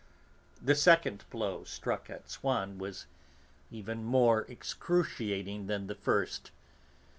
This second blow struck at Swann was even more excruciating than the first.